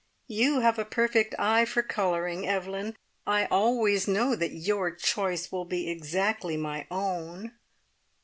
"You have a perfect eye for colouring, Evelyn. I always know that your choice will be exactly my own."